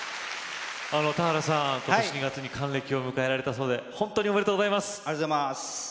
田原さん、ことし２月に還暦を迎えられたそうでありがとうございます。